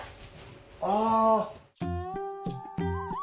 ああ。